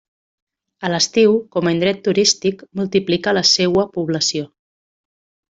A l'estiu, com a indret turístic, multiplica la seua població.